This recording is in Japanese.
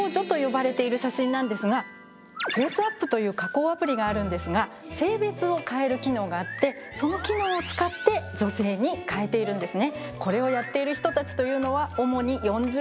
ＦａｃｅＡｐｐという加工アプリがあるんですが、性別を変える機能があるんですが、その機能を使って女性に変えているんですね。